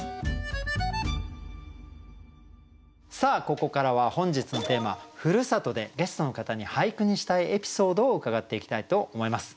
ここからは本日のテーマ「故郷」でゲストの方に俳句にしたいエピソードを伺っていきたいと思います。